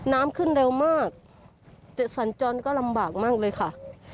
น้ำขึ้นเร็วมากจะสัญจรก็ลำบากมากเลยค่ะ